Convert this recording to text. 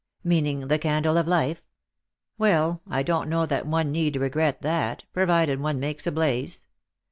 " Meaning the candle of life ? Well, I don't know that one need regret that, provided one makes a blaze.